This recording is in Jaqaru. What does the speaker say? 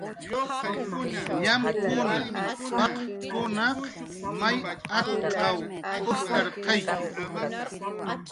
"Llamkuna, paq""kunaq may atz'aw jakki"